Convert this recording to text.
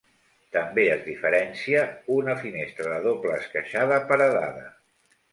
També es diferencia una finestra de doble esqueixada paredada.